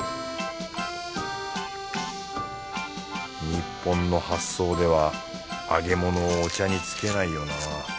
日本の発想では揚げ物をお茶につけないよな。